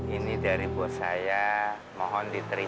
ini dari bos saya mohon diterima